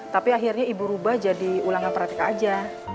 tapi akhirnya ibu rubah jadi ulangan pratik aja